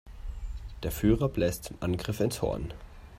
Der Führer bläst zum Angriff ins Horn.